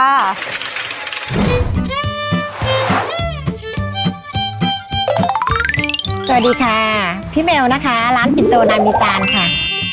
สวัสดีค่ะพี่เมลนะคะร้านปินโตนามิตานค่ะ